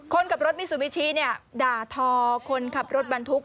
คนขับรถมิซูบิชิด่าทอคนขับรถบรรทุก